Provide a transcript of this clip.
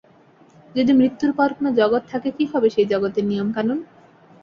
যদি মৃত্যুর পর কোনো জগৎ থাকে কী হবে সেই জগতের নিয়ম কানুন?